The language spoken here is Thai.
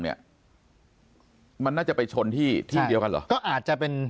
เนี้ยมันน่าจะไปชนที่ยอดก็อาจจะเป็น